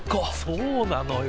そうなのよ。